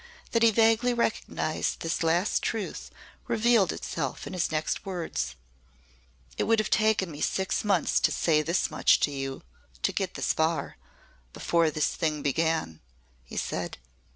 That he vaguely recognised this last truth revealed itself in his next words. "It would have taken me six months to say this much to you to get this far before this thing began," he said.